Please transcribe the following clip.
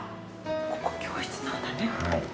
ここ教室なんだね。